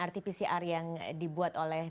rt pcr yang dibuat oleh